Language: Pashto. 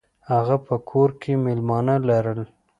هغه په کور کې میلمانه لرل.